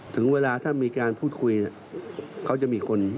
ถึงเวลาถ้ามีการพูดคุยเขาจะมีคน